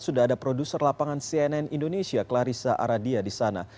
sudah ada produser lapangan cnn indonesia clarissa aradia disana